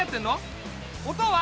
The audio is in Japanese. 音は？